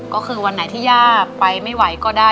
ก็คือวันไหนที่ย่าไปไม่ไหวก็ได้